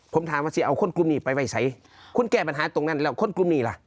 ผมถามว่าสิเอาคนกลุ่มนี้ไปไว้ใสคุณแก้ปัญหาตรงนั้นแล้วคนกลุ่มนี้ล่ะ